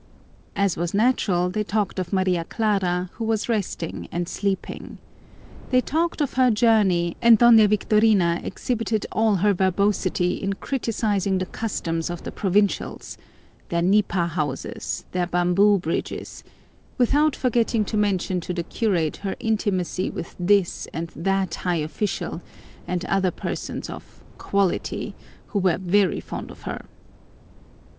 As was natural, they talked of Maria Clara, who was resting and sleeping. They talked of their journey, and Doña Victorina exhibited all her verbosity in criticising the customs of the provincials, their nipa houses, their bamboo bridges; without forgetting to mention to the curate her intimacy with this and that high official and other persons of "quality" who were very fond of her.